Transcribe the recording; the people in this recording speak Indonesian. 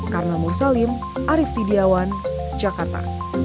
karma mursalim arief tidiawan jakarta